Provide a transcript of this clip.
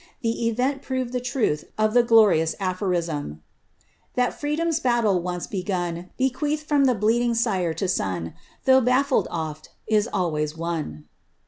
The event proved the truth of the glorious aphorism —That freedom's battle once begun, Bequeathed from bleeding sire to son, Though balfled oft, is always won.''